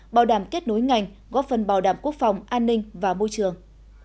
bảo đảm kết nối ngành góp phần bảo đảm quốc phòng an ninh và môi trường